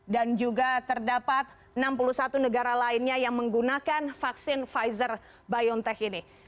dan juga terdapat enam puluh satu negara lainnya yang menggunakan vaksin pfizer biontech ini